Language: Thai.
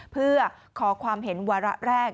เพื่อขอความเห็นวาระแรก